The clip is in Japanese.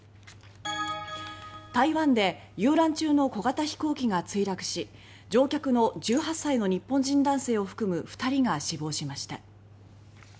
台湾で遊覧中の小型飛行機が墜落し乗客の１８歳の日本人男性を含む２人が死亡しました。